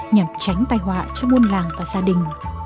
nhằm tránh tai họa cho buôn làng và gia đình